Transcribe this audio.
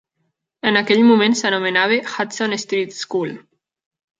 En aquell moment s'anomenava Hudson Street School.